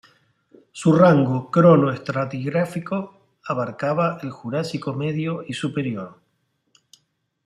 Su rango cronoestratigráfico abarcaba el Jurásico medio y superior.